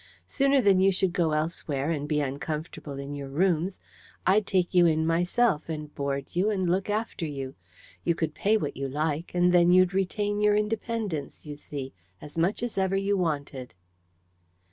Sooner than you should go elsewhere and be uncomfortable in your rooms, I'd take you in myself, and board you and look after you. You could pay what you like; and then you'd retain your independence, you see, as much as ever you wanted."